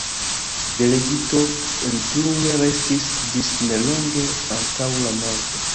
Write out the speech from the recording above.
Delegito li plue restis ĝis nelonge antaŭ la morto.